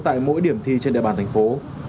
tại mỗi điểm thi trên địa bàn thành phố